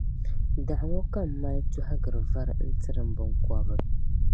Daɣu ŋɔ ka m mali tɔhigiri vari n-tiri m biŋkɔbri.